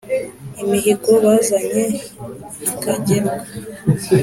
Imihigo bazanye ikageruka